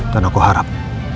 dan aku harap